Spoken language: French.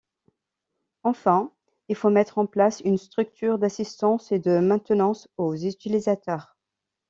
Enfin, il faut mettre en place une structure d'assistance et de maintenance aux utilisateurs.